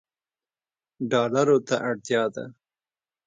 ډالرو ته اړتیا ده